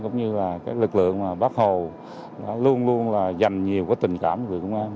cũng như là cái lực lượng bác hồ luôn luôn là dành nhiều tình cảm cho lực lượng công an